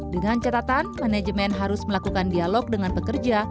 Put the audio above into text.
dengan catatan manajemen harus melakukan dialog dengan pekerja